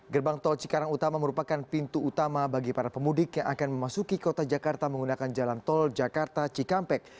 gerbang tol cikarang utama merupakan pintu utama bagi para pemudik yang akan memasuki kota jakarta menggunakan jalan tol jakarta cikampek